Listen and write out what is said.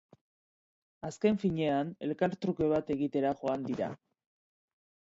Azken finean, elkartruke bat egitera joan dira.